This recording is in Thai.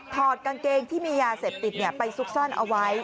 อดกางเกงที่มียาเสพติดไปซุกซ่อนเอาไว้